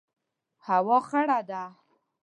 هوا خړه ده